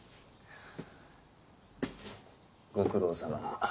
ご苦労さま。